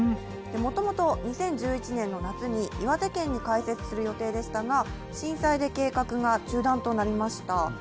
もともと２０１１年の夏に岩手県に開設する予定でしたが、震災で計画が中断となりました。